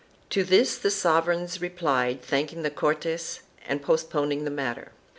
To this the sovereigns replied thanking the Cortes and postponing the matter.